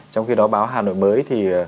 trong khi đó báo hà nội mới thì